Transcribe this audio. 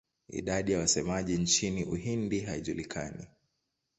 Idadi ya wasemaji nchini Uhindi haijulikani.